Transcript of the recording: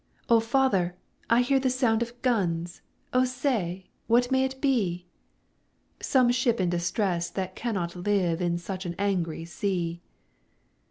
'O father! I hear the sound of guns, O say, what may it be?' 'Some ship in distress that cannot live In such an angry sea!'